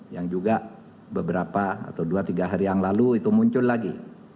yang juga beberapa atau dua tiga hari yang lalu itu muncul lagi